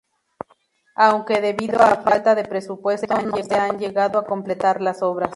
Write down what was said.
Aunque, debido a falta de presupuesto, no se han llegado a completar las obras.